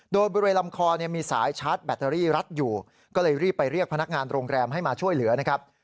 โดยบริเวณลำคอเนี่ยมีสายชาร์จแบตเตอรี่รัดอยู่ก็เลยรีบไปเรียกพนักงานโรงแรมให้มาช่วยเหลือนะครับ